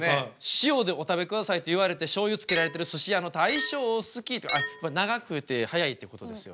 塩でお食べくださいって言われてしょうゆつけられてるすし屋の大将好きって長くて速いってことですよね。